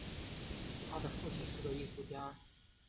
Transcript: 他的父亲是个艺术家。